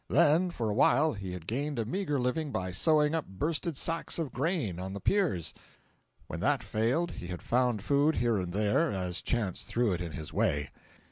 Then; for a while, he had gained a meagre living by sewing up bursted sacks of grain on the piers; when that failed he had found food here and there as chance threw it in his way.